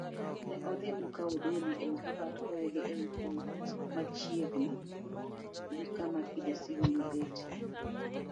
Ne odhi mokawo doli ewi kabat koidho ewi kom machiegni gi kama Kijasiri nobetie.